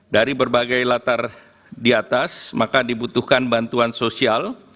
dari berbagai latar di atas maka dibutuhkan bantuan sosial